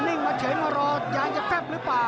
่งมาเฉยมารอยางจะแซ่บหรือเปล่า